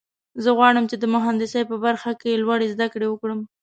زه غواړم چې د مهندسۍ په برخه کې لوړې زده کړې وکړم